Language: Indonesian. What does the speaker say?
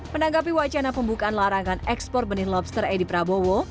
menanggapi wacana pembukaan larangan ekspor benih lobster edi prabowo